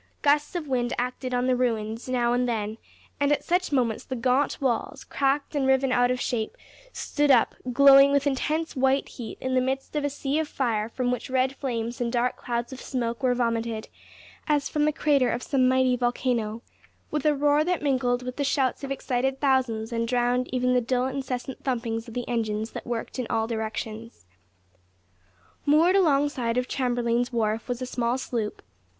Gusts of wind acted on the ruins now and then, and at such moments the gaunt walls, cracked and riven out of shape, stood up, glowing with intense white heat in the midst of a sea of fire from which red flames and dark clouds of smoke were vomited, as from the crater of some mighty volcano, with a roar that mingled with the shouts of excited thousands, and drowned even the dull incessant thumpings of the engines that worked in all directions. Moored alongside of Chamberlain's Wharf was a small sloop.